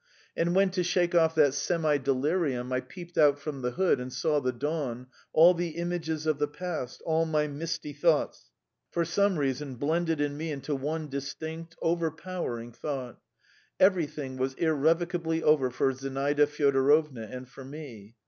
And when to shake off that semi delirium I peeped out from the hood and saw the dawn, all the images of the past, all my misty thoughts, for some reason, blended in me into one distinct, overpowering thought: everything was irrevocably over for Zinaida Fyodorovna and for me.